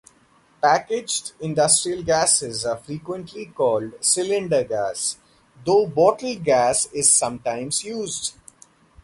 Packaged industrial gases are frequently called 'cylinder gas', though 'bottled gas' is sometimes used.